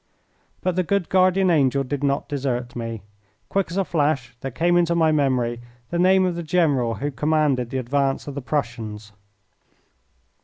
But the good guardian angel did not desert me. Quick as a flash there came into my memory the name of the general who commanded the advance of the Prussians.